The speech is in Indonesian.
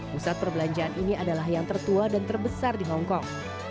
pusat perbelanjaan ini adalah yang tertua dan terbesar di hongkong